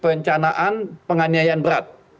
perencanaan penganiayaan berat